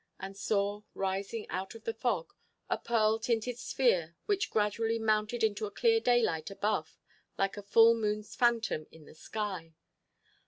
And saw, rising out of the fog, a pearl tinted sphere which gradually mounted into the clear daylight above like the full moon's phantom in the sky.